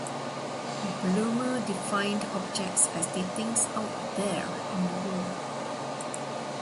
Blumer defined objects as the things "out there" in the world.